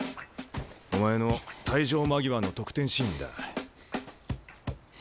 お前の退場間際の得点シーンだ。